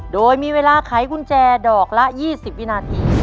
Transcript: โดยมีเวลาไขกุญแจดอกละ๒๐วินาที